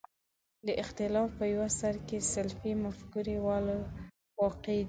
د اختلاف په یو سر کې سلفي مفکورې والا واقع دي.